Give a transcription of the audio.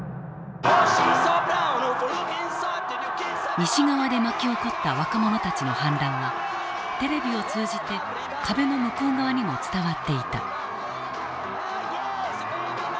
西側で巻き起こった若者たちの反乱はテレビを通じて壁の向こう側にも伝わっていた。